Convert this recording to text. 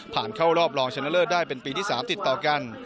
ผ่านเข้ารอบรองชันเลอร์ได้เป็นปีที่๓ติดต่อกัน